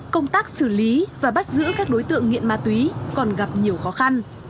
công tác xử lý và bắt giữ các đối tượng nghiện ma túy còn gặp nhiều khó khăn